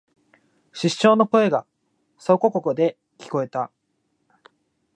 失笑の声がそこここで聞えた